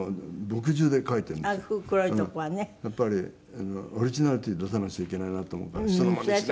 やっぱりオリジナリティーを出さなくちゃいけないなと思うから人のマネしない。